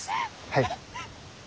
はい。